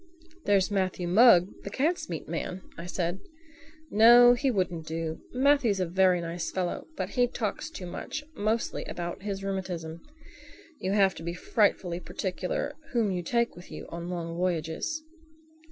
"There's Matthew Mugg, the cat's meat man," I said. "No, he wouldn't do. Matthew's a very nice fellow, but he talks too much—mostly about his rheumatism. You have to be frightfully particular whom you take with you on long voyages."